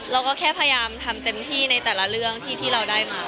เราก็แค่พยายามทำเต็มที่ในแต่ละเรื่องที่เราได้มา